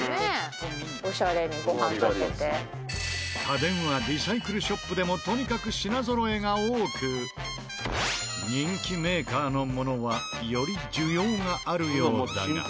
家電はリサイクルショップでもとにかく品ぞろえが多く人気メーカーのものはより需要があるようだが。